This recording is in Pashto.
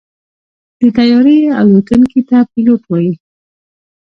د طیارې الوتونکي ته پيلوټ وایي.